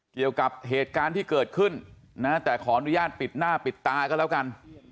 เกี่ยวกับเหตุการณ์ที่เกิดขึ้นนะแต่ขออนุญาตปิดหน้าปิดตาก็แล้วกัน